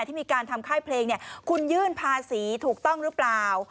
ที่มีการทำค่ายเพลงคุณยื่นภาษีถูกต้องหรือเปล่า